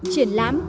triển lãm đầu tay